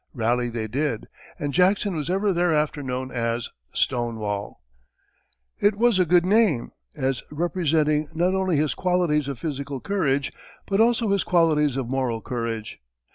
Rally they did, and Jackson was ever thereafter known as "Stonewall." It was a good name, as representing not only his qualities of physical courage, but also his qualities of moral courage.